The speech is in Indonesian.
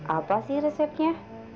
apa sih resepnya